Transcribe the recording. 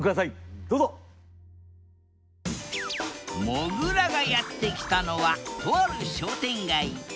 もぐらがやって来たのはとある商店街。